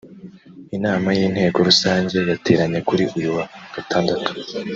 Inama y’ Inteko rusange yateranye kuri uyu wa Gatandatu